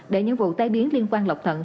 để những vụ tai biến liên quan lọc thận